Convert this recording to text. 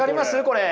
これ。